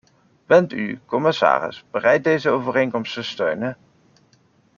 Bent u, commissaris, bereid deze overeenkomst te steunen?